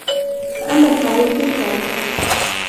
فَأَمَّا الْقَاعِدَةُ الثَّالِثَةُ